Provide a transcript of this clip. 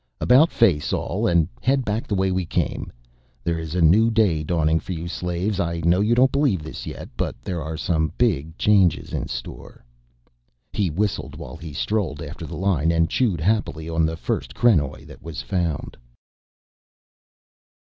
"About face all and head back the way we came. There is a new day dawning for you slaves. I know you don't believe this yet, but there are some big changes in store." He whistled while he strolled after the line and chewed happily on the first krenoj that was found.